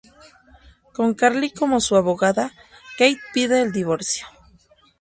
Con Carly como su abogada, Kate pide el divorcio.